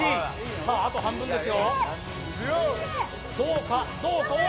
さああと半分ですよ。